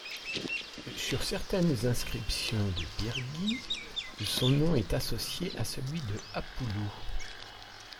Sur certaines inscriptions de Pyrgi son nom est associé à celui de Apulu.